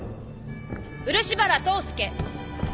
漆原透介。